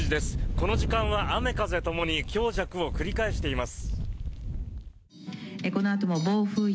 この時間は雨風ともに強弱を繰り返しています。